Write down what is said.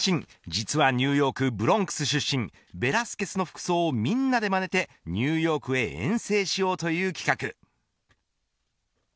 実はニューヨークブロンクス出身ベラスケスの服装をみんなでまねてニューヨークへ遠征しようという企画。